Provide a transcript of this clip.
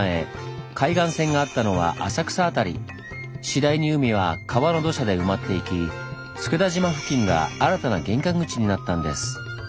次第に海は川の土砂で埋まっていき佃島付近が新たな玄関口になったんです。